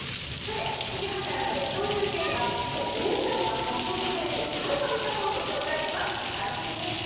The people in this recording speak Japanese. ７時３０分からの列島中継ではここ、大船渡が発祥とされる春の味覚を御紹介します。